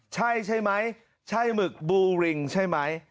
ใช่ใช่ไหมใช่หมึกบูริงใช่ไหม